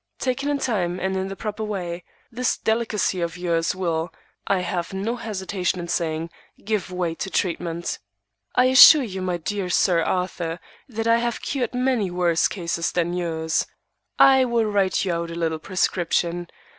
Taken in time, and in the proper way, this delicacy of yours will, I have no hesitation in saying, give way to treatment. I assure you, my dear Sir Arthur, that I have cured many worse cases than yours. I will write you out a little prescription.